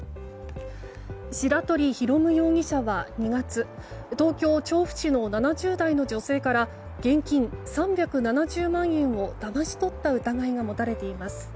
白鳥紘夢容疑者は２月東京・調布市の７０代の女性から現金３７０万円をだまし取った疑いが持たれています。